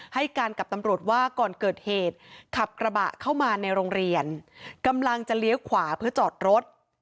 ให้การกับตำรวจว่าก่อนเกิดเหตุขับกระบะเข้ามาในโรงเรียนกำลังจะเลี้ยวขวาเพื่อจอดรถ